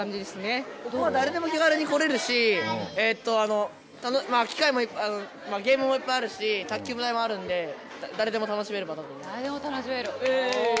ここは誰でも気軽に来れるし、ゲームもいっぱいあるし、卓球台もあるので、誰でも楽しめる場だ誰でも楽しめる？